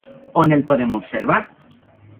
On el podem observar?